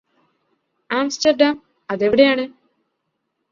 Amsterdam അതെവിടെയാണ്